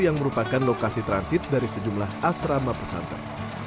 yang merupakan lokasi transit dari sejumlah asrama pesantren